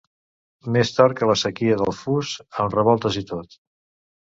Més tort que la séquia del Fus, amb revoltes i tot.